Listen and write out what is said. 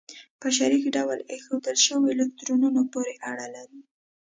په شریک ډول ایښودل شوو الکترونونو پورې اړه لري.